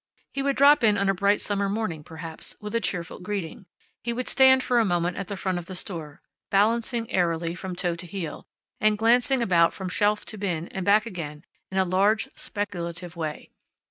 He would drop in on a bright summer morning, perhaps, with a cheerful greeting. He would stand for a moment at the front of the store, balancing airily from toe to heel, and glancing about from shelf to bin and back again in a large, speculative way.